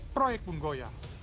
proyek bung goya